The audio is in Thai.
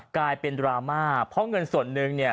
กลายเป็นดราม่าเพราะเงินส่วนหนึ่งเนี่ย